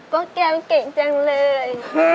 โปรแกรมเก่งจังเลย